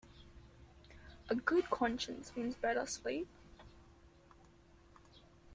A good conscience means better sleep.